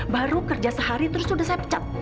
baru kerja sehari terus udah saya pecat